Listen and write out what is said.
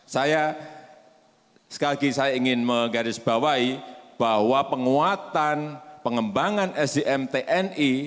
saya sekali lagi saya ingin menggarisbawahi bahwa penguatan pengembangan sdm tni